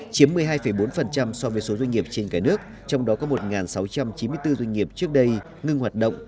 chiếm một mươi hai bốn so với số doanh nghiệp trên cả nước trong đó có một sáu trăm chín mươi bốn doanh nghiệp trước đây ngưng hoạt động